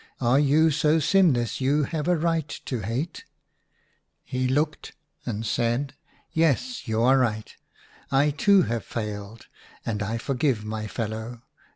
Are you so sinless you have right to hate ?'" He looked, and said, * Yes, you are right ; I too have failed, and I forgive my fellow.